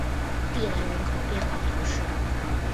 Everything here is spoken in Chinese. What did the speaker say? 蒂兰人口变化图示